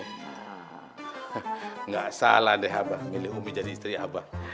enggak salah deh abang milih umi jadi istri abang